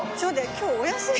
今日お休み？